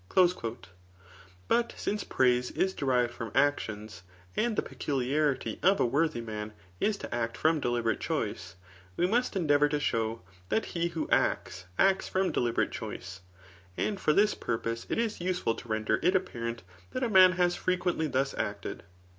'*' But since prdke is derived from actions % and the pe« culiarity of a worthy man is to act from deliberate choice, we must endeavour to show that he who acta,' ttcts from deliberate choice. And for this purpose it is useful to tender it apparent that a man has frequently fiius acted.